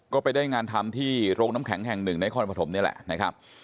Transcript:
ก็ไปได้งานทำที่โรงน้ำแข็งแห่งหนึ่งในคอนปฐมนี่แหละนะครับ